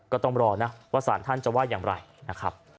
ก็ต้องรอนะว่าสารท่านจะว่าอย่างไรนะครับ